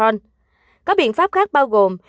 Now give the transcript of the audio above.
có biện pháp khác bao gồm các biện pháp phòng chống dịch